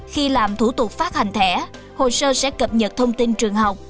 khi làm thủ tục phát hành thẻ hồ sơ sẽ cập nhật thông tin trường học